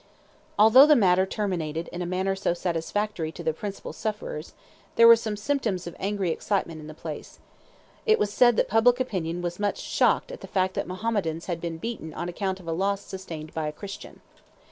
Although the matter terminated in a manner so satisfactory to the principal sufferers, there were symptoms of some angry excitement in the place: it was said that public opinion was much shocked at the fact that Mahometans had been beaten on account of a loss sustained by a Christian.